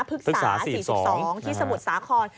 พฤกษา๔๒ที่สมุทรสาคร